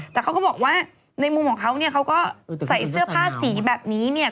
แต่เขาก็บอกว่าในมุมของเขาเขาก็ใส่เสื้อผ้าสีแบบนี้